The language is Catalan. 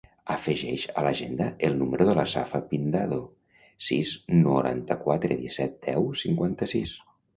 Afegeix a l'agenda el número de la Safa Pindado: sis, noranta-quatre, disset, deu, cinquanta-sis.